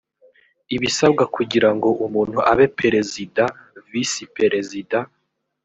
ibisabwa kugira ngo umuntu abe perezida, visi perezida